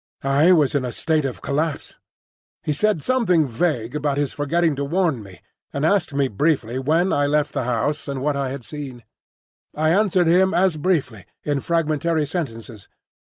I was in a state of collapse. He said something vague about his forgetting to warn me, and asked me briefly when I left the house and what I had seen. I answered him as briefly, in fragmentary sentences.